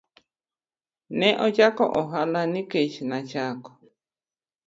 Ne ochako ohala nikech nachako.